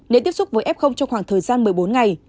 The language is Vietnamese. để tiếp xúc với f trong khoảng thời gian một mươi bốn ngày